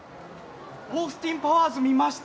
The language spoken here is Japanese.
オースティンパワーズ見ました！